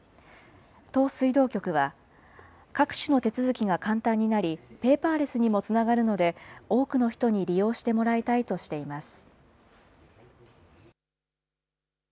都水道局は、各種の手続きが簡単になり、ペーパーレスにもつながるので、多くの人に利用してもらいたいとしています。